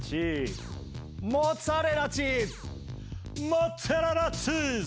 モッツァレラチーズ！